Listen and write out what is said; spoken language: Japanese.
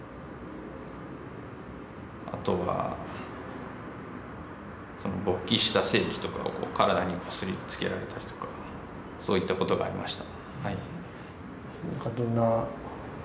あとは、その勃起した性器とかを体にこすりつけられたりとかそういったことがありました。